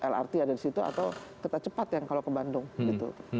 lrt ada di situ atau kereta cepat yang kalau ke bandung gitu